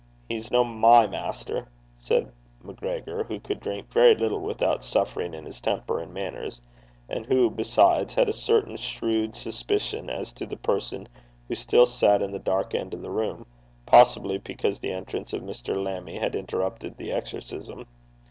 He's no my maister,' said MacGregor, who could drink very little without suffering in his temper and manners; and who, besides, had a certain shrewd suspicion as to the person who still sat in the dark end of the room, possibly because the entrance of Mr. Lammie had interrupted the exorcism.